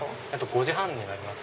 ５時半になります。